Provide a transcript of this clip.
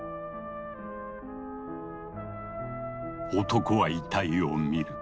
男は遺体を見る。